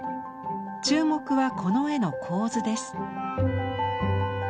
注目はこの絵の構図です。